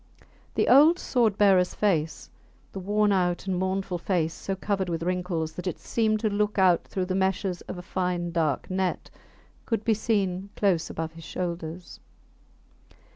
The old sword bearers face, the worn out and mournful face so covered with wrinkles that it seemed to look out through the meshes of a fine dark net, could be seen close above his shoulders.